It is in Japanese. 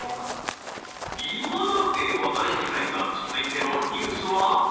いまだＡは誰もいないが続いてのＮＥＷＳは？